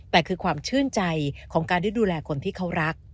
แต่คือความชื่นใจของการได้ดูแลคนที่เขารัก